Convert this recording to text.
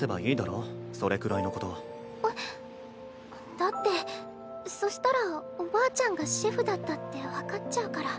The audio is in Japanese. だってそしたらおばあちゃんがシェフだったって分かっちゃうから。